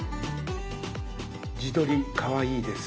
「自撮りかわいいです！」